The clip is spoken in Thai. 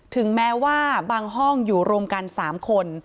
ถึงแม้ว่าบางห้องอยู่รวมกัน๓คน